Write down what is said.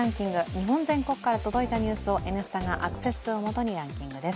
日本全国から届いたニュースを「Ｎスタ」がアクセス数をもとにランキングです。